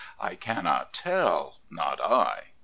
I cannot tell! Not I!